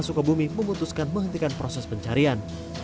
sukabumi memutuskan menghentikan proses pencarian